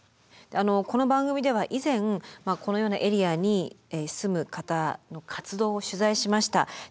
この番組では以前このようなエリアに住む方の活動を取材しました。